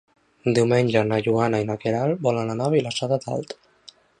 Diumenge na Joana i na Queralt volen anar a Vilassar de Dalt.